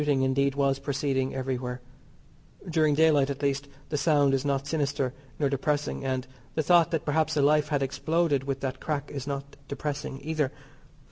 Shooting, indeed, was proceeding everywhere. During daylight, at least, the sound is not sinister nor depressing, and the thought that perhaps a life had exploded with that crack is not depressing either.